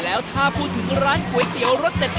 แล้วถ้าพูดถึงร้านก๋วยเตี๋ยวรสเด็ด